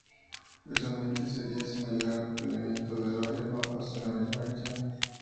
Visualmente sería similar al apilamiento de varios mapas de una misma región.